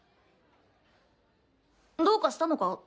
どうかしたのか？